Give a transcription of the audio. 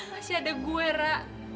masih ada gue ra